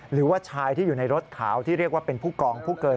หรือว่าชายที่อยู่ในรถขาวที่เรียกว่าเป็นผู้กองผู้เกิน